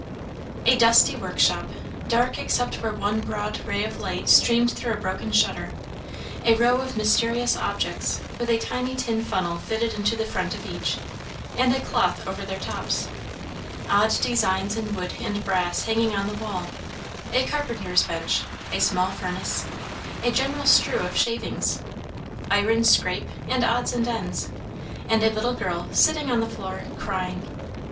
A dusty workshop, dark except where one broad ray of light streamed through a broken shutter, a row of mysterious objects, with a tiny tin funnel fitted into the front of each, and a cloth over their tops, odd designs in wood and brass hanging on the wall, a carpenter's bench, a small furnace, a general strew of shavings, iron scrape, and odds and ends, and a little girl sitting on the floor, crying.